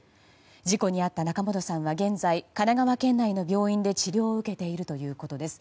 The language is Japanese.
事故に遭った仲本さんは現在神奈川県内の病院で治療を受けているということです。